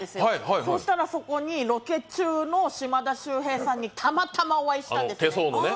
そうしたらそこにロケ中の、手相の島田秀平さんにたまたまお会いしたんですね。